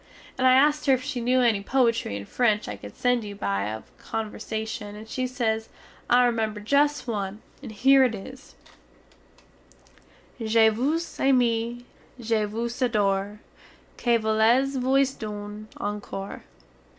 And I askt her if she new enny poitry in french I cood send you by way of conversashun, and she sez, I remember just one, and here it is, _"Je vous aime, je vous adore, Que voulez vous done encore?"